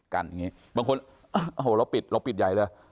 กันอย่างนี้บางคนเราปิดเราปิดใยแล้ว